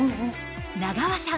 長和さん